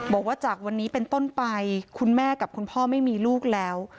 บอกว่าจากวันนี้เป็นต้นไปคุณแม่กับคุณพ่อไม่มีลูกแล้ว